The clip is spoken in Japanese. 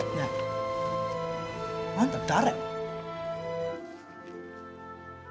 あんた誰？